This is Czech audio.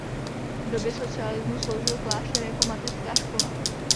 V době socialismu sloužil klášter jako mateřská škola.